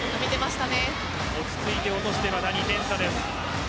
落ち着いて落として２点差です。